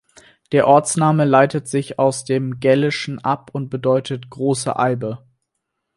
Der Ortsname leitet sich aus dem Gälischen ab und bedeutet „Große Eibe“.